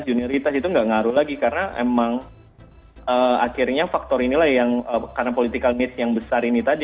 junioritas itu nggak ngaruh lagi karena emang akhirnya faktor inilah yang karena political miss yang besar ini tadi